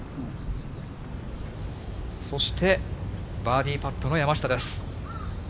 そして、バーディーパットの山下です。